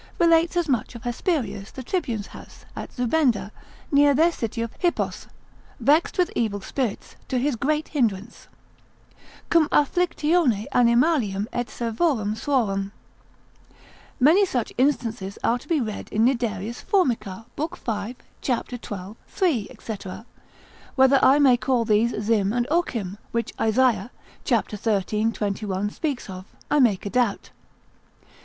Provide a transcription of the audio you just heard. relates as much of Hesperius the Tribune's house, at Zubeda, near their city of Hippos, vexed with evil spirits, to his great hindrance, Cum afflictione animalium et servorum suorum. Many such instances are to be read in Niderius Formicar, lib. 5. cap. xii. 3. &c. Whether I may call these Zim and Ochim, which Isaiah, cap. xiii. 21. speaks of, I make a doubt.